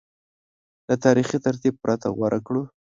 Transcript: له تاریخي ترتیب پرته غوره کړو